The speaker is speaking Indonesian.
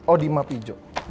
oh di map hijau